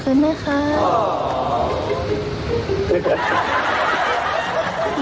คุณลูกค้าไม่สบายเลยครับ